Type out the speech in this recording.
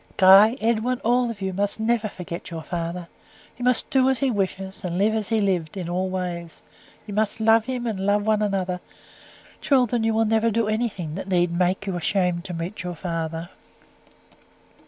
"Guy, Edwin, all of you, must never forget your father. You must do as he wishes, and live as he lived in all ways. You must love him, and love one another. Children, you will never do anything that need make you ashamed to meet your father."